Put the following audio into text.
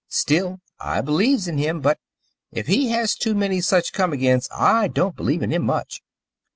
Still I believes in him, but, if he has too many such come agains, I don't believe in him much."